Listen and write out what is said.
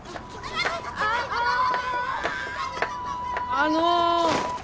あの。